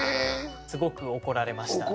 すごく怒られました。